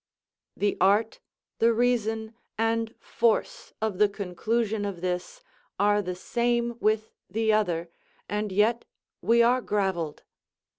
The art, the reason, and force of the conclusion of this, are the same with the other, and yet we are gravelled.